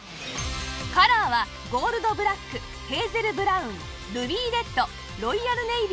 カラーはゴールドブラックヘーゼルブラウンルビーレッドロイヤルネイビーの４色